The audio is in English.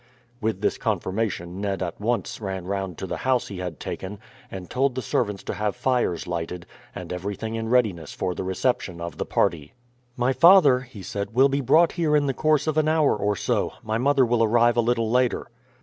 With this confirmation Ned at once ran round to the house he had taken, and told the servants to have fires lighted, and everything in readiness for the reception of the party. "My father," he said, "will be brought here in the course of an hour or so. My mother will arrive a little later."